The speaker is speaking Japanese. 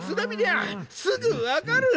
あすぐ分かる。